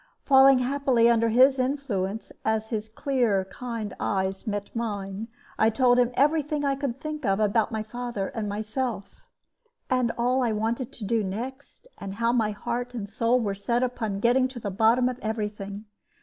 Falling happily under his influence, as his clear, kind eyes met mine, I told him every thing I could think of about my father and myself, and all I wanted to do next, and how my heart and soul were set upon getting to the bottom of every thing.